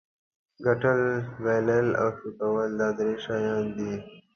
ګټل بایلل او شریکول دا درې شیان دي.